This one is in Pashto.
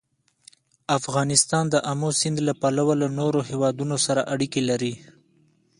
افغانستان د آمو سیند له پلوه له نورو هېوادونو سره اړیکې لري.